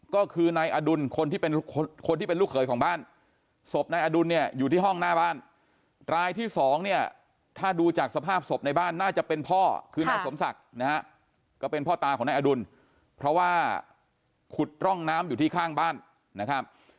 ก็คือนายอดุลคนที่เป็นคนที่เป็นลูกเขยของบ้านศพนายอดุลเนี่ยอยู่ที่ห้องหน้าบ้านรายที่สองเนี่ยถ้าดูจากสภาพศพในบ้านน่าจะเป็นพ่อคือนายสมศักดิ์นะฮะก็เป็นพ่อตาของนายอดุลเพราะว่าขุดร่องน้ำอยู่ที่ข้างบ้านนะครับ